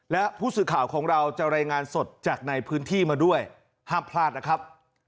และผู้สื่อข่าวของเราจะรายงานสดจากในพื้นที่มาด้วยห้ามพลาดนะครับ